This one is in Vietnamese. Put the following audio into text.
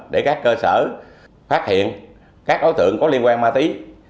để các cơ sở phát hiện các đối tượng có liên quan ma túy